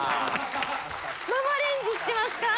ママレンジ知ってますか？